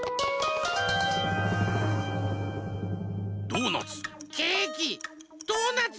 ドーナツ。